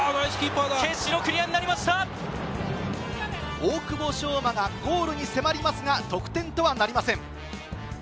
大久保昇真がゴールに迫りますが、得点とはなりません。